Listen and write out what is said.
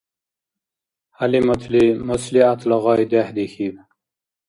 ХӀялиматли маслигӀятла гъай дехӀдихьиб.